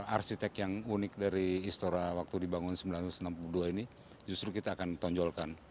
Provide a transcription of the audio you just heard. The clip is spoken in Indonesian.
arsitek yang unik dari istora waktu dibangun seribu sembilan ratus enam puluh dua ini justru kita akan tonjolkan